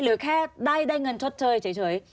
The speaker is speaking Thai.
หรือแค่ได้เงินชดเชยเฉย